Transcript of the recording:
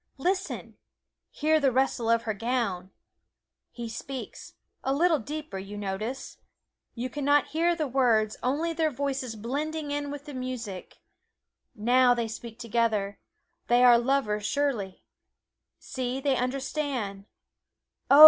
listen hear the rustle of her gown he speaks, a little deeper, you notice you can not hear the words, only their voices blending in with the music now they speak together they are lovers, surely see, they understand oh!